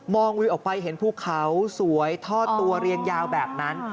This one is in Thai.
ลุยออกไปเห็นภูเขาสวยทอดตัวเรียงยาวแบบนั้น